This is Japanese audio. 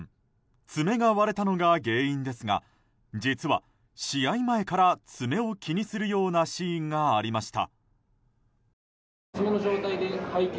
爪が割れたのが原因ですが実は試合前から爪を気にするようなシーンがありました。